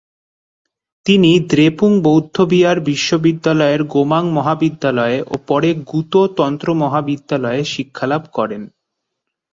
তিনি দ্রেপুং বৌদ্ধবিহার বিশ্ববিদ্যালয়ের গোমাং মহাবিদ্যালয়ে ও পরে গ্যুতো তন্ত্র মহাবিদ্যালয়ে শিক্ষালাভ করেন।